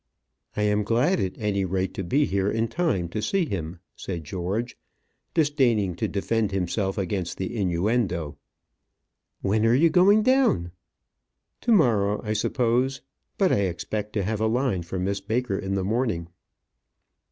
"I am glad, at any rate, to be here in time to see him," said George, disdaining to defend himself against the innuendo. "When are you going down?" "To morrow, I suppose. But I expect to have a line from Miss Baker in the morning."